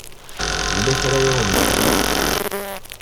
Yella kra ay awen-gezmeɣ?